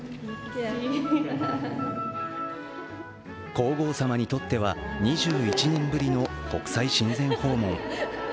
皇后さまにとっては２１年ぶりの国際親善訪問。